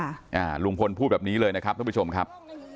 อ่าลุงพลพูดแบบนี้เลยนะครับท่านผู้ชมครับ